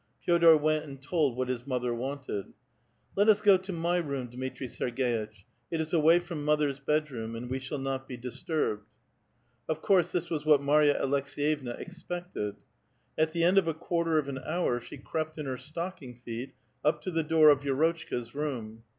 Fe6dor went and told what his mother wanted. " Let us go to my room, Dmitri Sergditch ; it is away from mother's bed room, and we shall not be disturbed." Of course this was what Marya Aleks^yevna expected. At the end of a quarter of an hour she crept in lier stocking feet up to the door of Vi^rotchka's room.